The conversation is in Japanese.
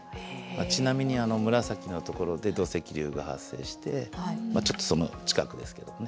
ちなみにあの紫のところで土石流が発生してまあちょっとその近くですけどもね